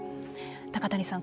中谷さん